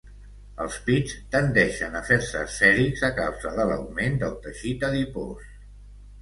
Els pits tendeixen a fer-se esfèrics a causa de l'augment del teixit adipós.